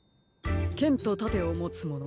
けんとたてをもつもの。